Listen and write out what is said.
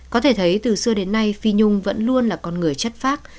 có thể thấy từ xưa đến nay phi nhung vẫn luôn là con người chất phác